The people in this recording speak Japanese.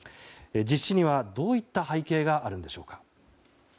実施にはどういった背景があるんでしょうか。